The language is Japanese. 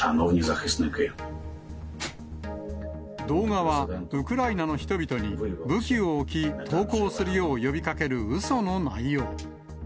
動画は、ウクライナの人々に武器を置き、投降するよう呼びかけるうその内容。